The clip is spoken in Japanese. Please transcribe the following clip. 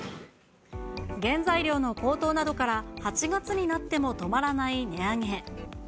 原材料の高騰などから、８月になっても止まらない値上げ。